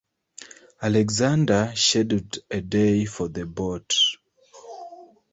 Alexander scheduled a day for the bout.